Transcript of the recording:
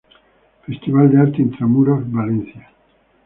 Festival de arte Intramuros, Valencia.